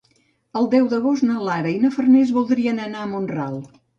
El deu d'agost na Lara i na Farners voldrien anar a Mont-ral.